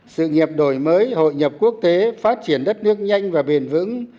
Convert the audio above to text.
sự nghiệp đổi mới hội nhập quốc tế phát triển đất nước nhanh và bền vững